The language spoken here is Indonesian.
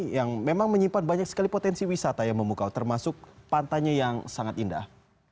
yang memang menyimpan banyak sekali potensi wisata yang memukau termasuk pantainya yang sangat indah